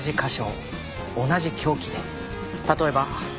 例えば。